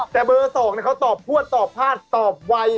แต่เบอร์๒เขาตอบพวดตอบพลาดตอบไว